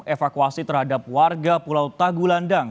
evakuasi terhadap warga pulau tagu landang